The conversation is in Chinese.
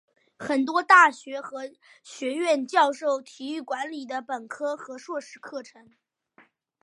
很多大学和学院教授体育管理的本科和硕士课程。